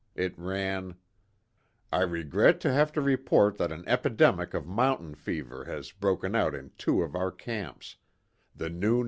It ran "I regret to have to report that an epidemic of mountain fever has broken out in two of our camps the new No.